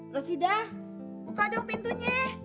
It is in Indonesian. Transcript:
rosita buka dong pintunya